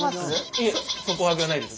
いえ底上げはないです。